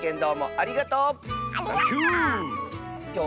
ありがとう！